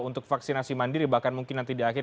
untuk vaksinasi mandiri bahkan mungkin nanti di akhir